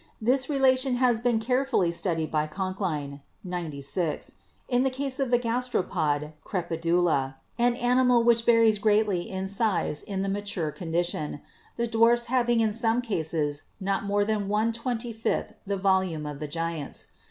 This relation has been carefully studied by Conk line C96) in the case of the gasteropod Crepidula, an ani mal which varies greatly in size in the mature condition, the dwarfs having in some cases not more than one twenty fifth the volume of the giants.